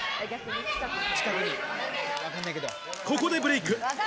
ここでブレイク。